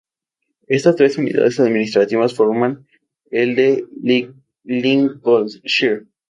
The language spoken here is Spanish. Estas tres unidades administrativas forman el de Lincolnshire.